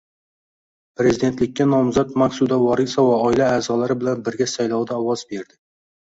Prezidentlikka nomzod Maqsuda Vorisova oila a’zolari bilan birga saylovda ovoz berdi